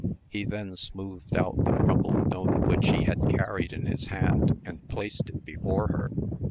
He then smoothed out the crumpled note which he had carried in his hand, and placed it before her.